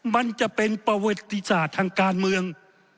มันจะเป็นประวัติศาสตร์ทางการเมือง